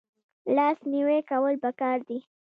لاس نیوی کول پکار دي